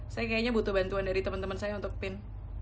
saya kayaknya butuh bantuan dari teman teman saya untuk pin